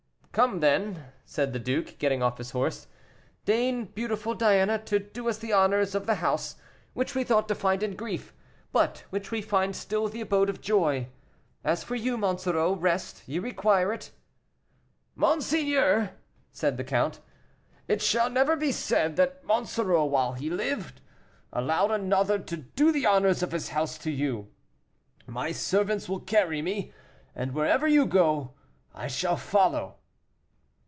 "Come, then," said the duke, getting off his horse, "deign, beautiful Diana, to do us the honors of the house, which we thought to find in grief, but which we find still the abode of joy. As for you, Monsoreau, rest you require it." "Monseigneur!" said the count, "it shall never be said that Monsoreau, while he lived, allowed another to do the honors of his house to you; my servants will carry me, and wherever you go, I shall follow."